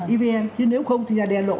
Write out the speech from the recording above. evm nhưng nếu không thì nhà đen lỗ